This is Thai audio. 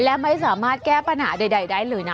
และไม่สามารถแก้ปัญหาใดได้เลยนะ